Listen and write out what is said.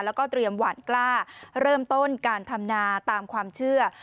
แล้วก็เตรียมหวานกล้าเริ่มต้นการทำนาตามความเชื่อ